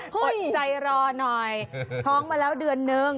อดใจรอหน่อยท้องมาแล้วเดือนนึง